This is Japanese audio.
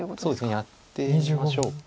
やってみましょうか。